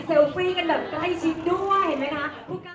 ฟี่กันแบบใกล้ชิดด้วยเห็นไหมคะ